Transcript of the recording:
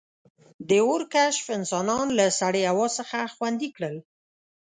• د اور کشف انسانان له سړې هوا څخه خوندي کړل.